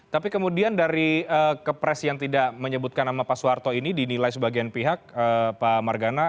tapi kemudian dari kepres yang tidak menyebutkan nama pak soeharto ini dinilai sebagian pihak pak margana